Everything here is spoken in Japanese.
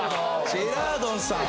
ジェラードンさん